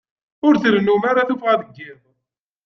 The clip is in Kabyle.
Ur tennum ara tuffɣa deg iḍ.